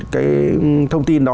cái thông tin đó